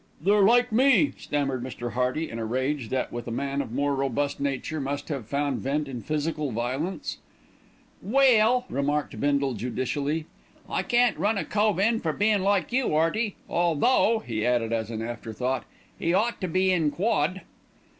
"They're they're like me," stammered Mr. Hearty in a rage that, with a man of more robust nature, must have found vent in physical violence. "Well," remarked Bindle judicially, "I can't run a cove in for bein' like you, 'Earty. Although," he added as an afterthought, "'e ought to be in quod."